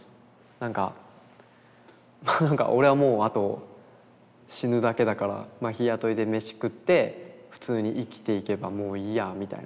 なんかまあなんか「俺はもうあと死ぬだけだから日雇いで飯食って普通に生きていけばもういいや」みたいな。